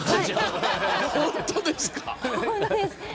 本当ですか。